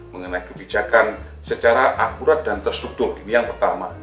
mengenai kebijakan secara akurat dan tersudut ini yang pertama